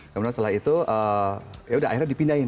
kemudian setelah itu yaudah akhirnya dipindahin